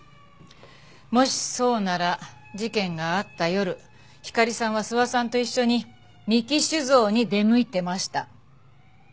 もしそうなら事件があった夜ひかりさんは諏訪さんと一緒に三木酒造に出向いてました。